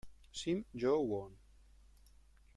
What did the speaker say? Sim Jae-won